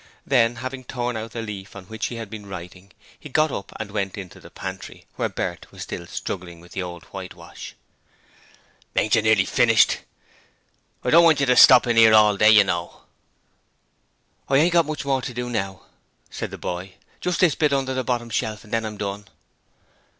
Then, having torn out the leaf on which he had been writing, he got up and went into the pantry, where Bert was still struggling with the old whitewash. 'Ain't yer nearly finished? I don't want yer to stop in 'ere all day, yer know.' 'I ain't got much more to do now,' said the boy. 'Just this bit under the bottom shelf and then I'm done.'